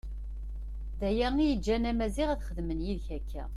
D aya iyi-iǧǧan a Maziɣ ad xedmeɣ yid-k akka.